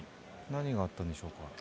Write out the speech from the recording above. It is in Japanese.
何があったんでしょうか。